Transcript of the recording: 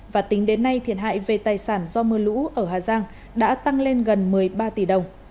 và tính đến nay thiệt hại về tài sản do mưa lũ ở hà giang đã tăng lên gần một mươi ba tỷ đồng